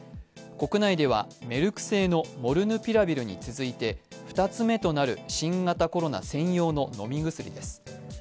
国内ではメルク製のモルヌピラビルに続いて２つ目となる新型コロナ専用の飲み薬です。